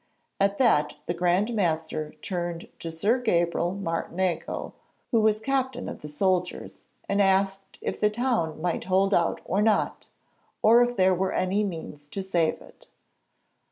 At that the Grand Master turned to Sir Gabriel Martinengo, who was Captain of the soldiers, and asked if the town might hold out or not, or if there were any means to save it.